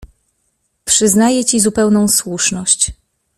"Przyznaję ci zupełną słuszność."